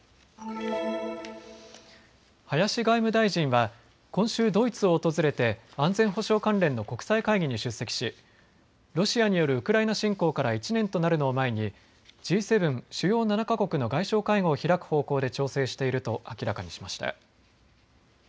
林外務大臣は今週ドイツを訪れて安全保障関連の国際会議に出席しロシアによるウクライナ侵攻から１年となるのを前にＧ７・主要７か国の外相会合を開く方向で調整していると明らかにしました。